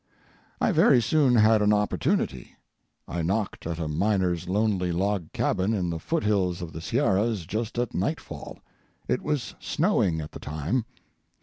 I very soon had an opportunity. I knocked at a miner's lonely log cabin in the foot hills of the Sierras just at nightfall. It was snowing at the time.